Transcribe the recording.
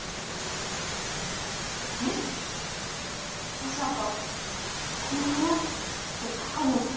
えっまさかこの花って鷹野さん？